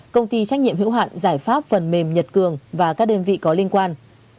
công ty trách nhiệm hữu hạn giải pháp phần mềm nhật cường và các đơn vị có liên quan